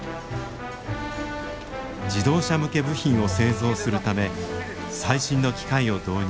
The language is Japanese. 自動車向け部品を製造するため最新の機械を導入。